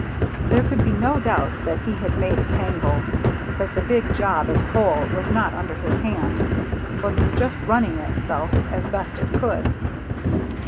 There could be no doubt that he had made a tangle; that the big job as a whole was not under his hand, but was just running itself as best it could.